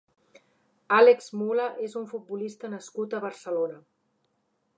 Álex Mula és un futbolista nascut a Barcelona.